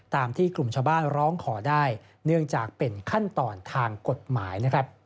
ตามที่กลุ่มชาวบ้านร้องขอได้เนื่องจากเป็นขั้นตอนทางกฎหมายนะครับ